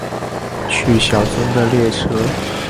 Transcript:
去小樽的列车